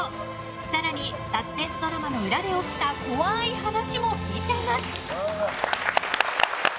更にサスペンスドラマの裏で起きた怖い話も聞いちゃいます。